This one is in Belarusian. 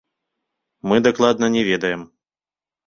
Мы дакладна не ведаем.